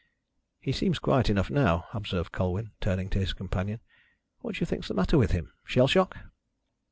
"He seems quiet enough now," observed Colwyn, turning to his companion. "What do you think is the matter with him shell shock?"